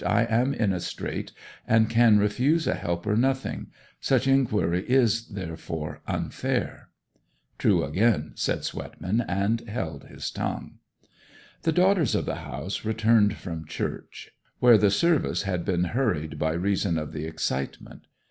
'I am in a strait, and can refuse a helper nothing; such inquiry is, therefore, unfair.' 'True again,' said Swetman, and held his tongue. The daughters of the house returned from church, where the service had been hurried by reason of the excitement.